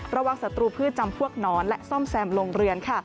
ระวังศัตรูพื้นจำพวกนอนและส้มแซมลงเรือน